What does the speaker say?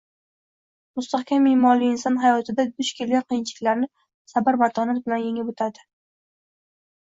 Mustahkam imonli inson hayotida duch kelgan qiyinchiliklarni sabr-matonat bilan yengib o‘tadi.